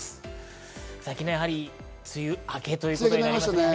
昨日、やはり梅雨明けということになりました。